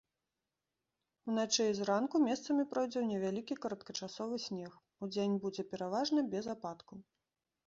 Уначы і зранку месцамі пройдзе невялікі кароткачасовы снег, удзень будзе пераважна без ападкаў.